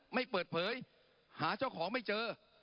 ไม่เปิดเผยหาเจ้าของไม่เจอ